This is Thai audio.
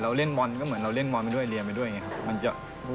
เล่นบอลก็เหมือนเราเล่นบอลไปด้วยเรียนไปด้วยอย่างนี้ครับ